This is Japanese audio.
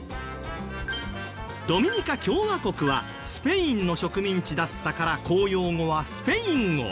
ドミニカ共和国はスペインの植民地だったから公用語はスペイン語。